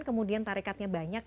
kemudian tarikatnya banyak